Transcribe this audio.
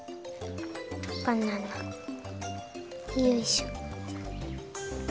バナナよいしょ。